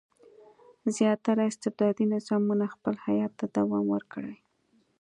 زیاتره استبدادي نظامونه خپل حیات ته دوام ورکړي.